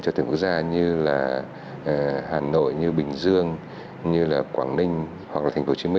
cho tỉnh quốc gia như là hà nội bình dương quảng ninh hoặc là tp hcm